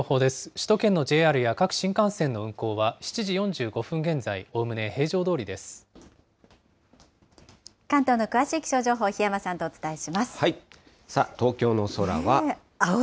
首都圏のＪＲや各新幹線の運行は７時４５分現在、おおむね平常ど関東の詳しい気象情報、さあ、東京の空は。